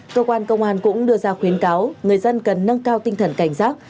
cơ quan công an cũng đưa ra khuyến cáo người dân cần nâng cao tinh thần cảnh giác